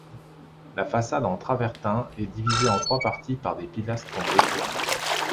La façade en travertin est divisée en trois parties par des pilastres en béton.